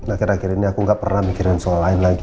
akhir akhir ini aku gak pernah mikirin soal lain lagi